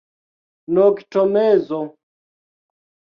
Noktomezo.